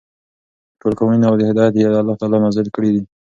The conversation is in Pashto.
ټول قوانين او هدايات يي الله تعالى نازل كړي دي ،